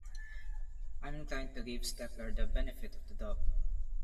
I'm inclined to give Steckler the benefit of the doubt.